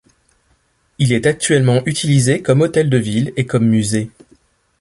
Il est actuellement utilisé comme hôtel de ville et comme musée.